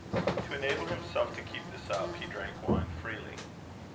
To enable himself to keep this up, he drank wine freely.